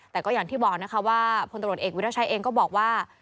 แต่ก็อย่างที่บอกนะคะว่าพลตำรวจเอกวิราชัยเองก็บอกว่า